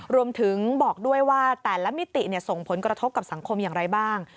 รวมถึงบอกด้วยว่าแต่ละมิติส่งผลกระทบกับสังคมอย่างไรบ้าง